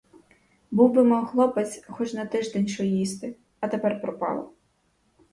Був би мав хлопець хоч на тиждень що їсти, а тепер пропало.